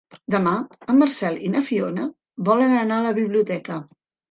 Demà en Marcel i na Fiona volen anar a la biblioteca.